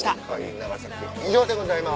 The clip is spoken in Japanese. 長崎県以上でございます。